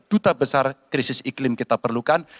duta besar krisis iklim kita perlukan